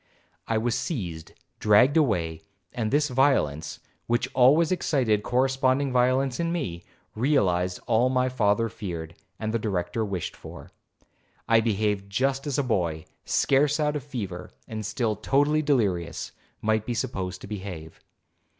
'I was seized, dragged away; and this violence, which always excited corresponding violence in me, realized all my father feared, and the Director wished for. I behaved just as a boy, scarce out of a fever, and still totally delirious, might be supposed to behave.